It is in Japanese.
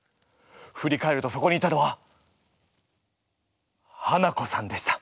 ふり返るとそこにいたのはハナコさんでした。